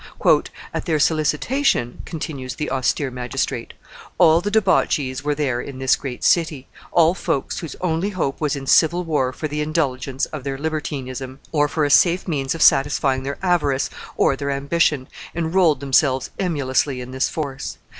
"At their solicitation," continues the austere magistrate, "all the debauchees there were in this great city, all folks whose only hope was in civil war for the indulgence of their libertinism or for a safe means of satisfying their avarice or their ambition, enrolled themselves emulously in this force.